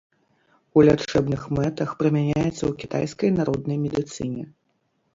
У лячэбных мэтах прымяняецца ў кітайскай народнай медыцыне.